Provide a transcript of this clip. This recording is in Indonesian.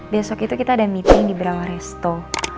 besok itu kita ada meeting di berapa resto